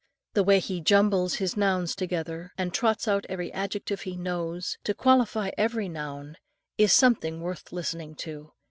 The way he jumbles his nouns together, and trots out every adjective he knows, to qualify every noun, is something worth listening to.